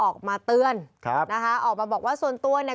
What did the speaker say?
ออกมาเตือนครับนะคะออกมาบอกว่าส่วนตัวเนี่ย